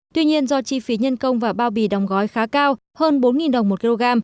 tuy nhiên do chi phí nhân công và bao bì đóng gói khá cao hơn bốn đồng một kg